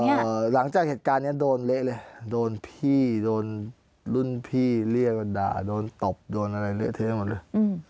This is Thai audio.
เนี่ยอ่อหลังจากเหตุการณ์ได้โดนเละเลยและโดนพี่โดนรุ่นพี่เลียนมันด่าโดนตบโดนอะไรเละทั้งหมดเลย